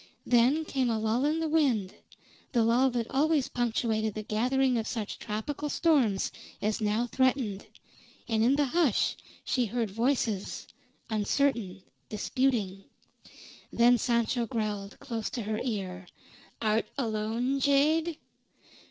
Then came a lull in the wind, the lull that always punctuated the gathering of such tropical storms as now threatened; and in the hush she heard voices uncertain, disputing. Then Sancho growled, close to her ear: "Art alone, jade?"